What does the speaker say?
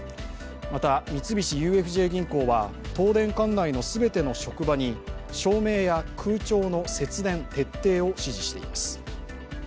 また三菱ＵＦＪ銀行は東電管内の全ての職場に照明や空調の節電徹底を指示しています。